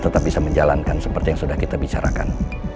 tetap bisa menjalankan seperti yang sudah kita bicarakan